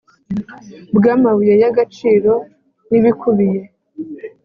bw amabuye y agaciro n ibikubiye